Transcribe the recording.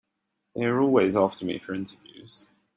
They're always after me for interviews.